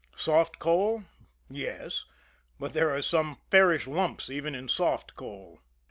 Soft coal? Yes but there are some fairish lumps even in soft coal.